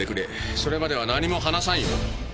それまでは何も話さんよ。